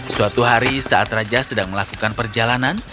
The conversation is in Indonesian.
suatu hari saat raja sedang melakukan perjalanan